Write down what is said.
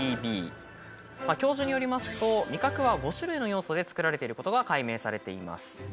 教授によりますと味覚は５種類の要素でつくられていることが解明されています。